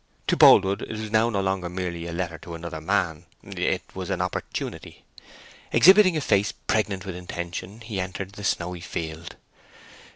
To Boldwood it was now no longer merely a letter to another man. It was an opportunity. Exhibiting a face pregnant with intention, he entered the snowy field.